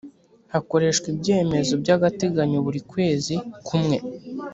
hakoreshwa ibyemezo by’agateganyo buri kwezi kumwe